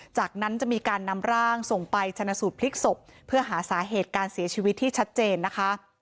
จากนั้นจะมีการนำร่างส่งไปชนะสูตรพลิกศพเพื่อหาสาเหตุการเสียชีวิตที่ชัดเจนนะคะ